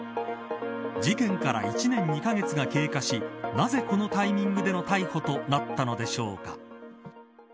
事件から１年２カ月が経過しなぜ、このタイミングでの逮捕となったのでしょうか。